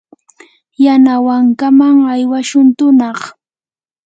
yanawankaman aywashun tunaq.